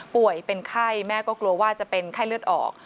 เป็นไข้แม่ก็กลัวว่าจะเป็นไข้เลือดออก